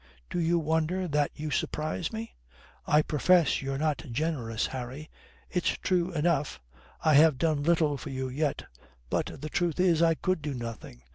"Do you wonder that you surprise me?" "I profess you're not generous, Harry. It's true enough, I have done little for you yet. But the truth is I could do nothing.